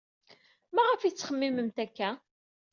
Maɣef ay tettxemmimemt akka?